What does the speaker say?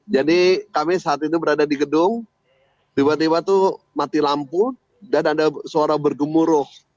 jadi kami saat itu berada di gedung tiba tiba itu mati lampu dan ada suara bergemuruh